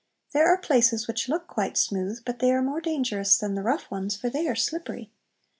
There are places which look quite smooth, but they are more dangerous than the rough ones, for they are slippery.